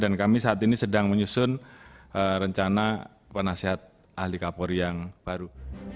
dan kami saat ini sedang menyusun rencana penasihat ahli kapolri yang baru